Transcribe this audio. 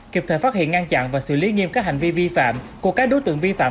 kịp thời phát hiện ngăn chặn và xử lý nghiêm các hành vi vi phạm của các đối tượng vi phạm